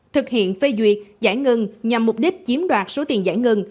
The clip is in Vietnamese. thực hiện phê duyệt giải ngân nhằm mục đích chiếm đoạt số tiền giải ngân